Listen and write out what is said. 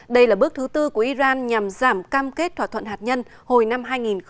đây là bước thứ tư của iran nhằm giảm cam kết thỏa thuận hạt nhân hồi năm hai nghìn một mươi năm